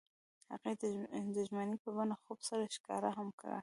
هغوی د ژمنې په بڼه خوب سره ښکاره هم کړه.